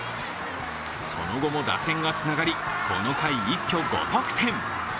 その後も打線がつながり、この回一挙５得点。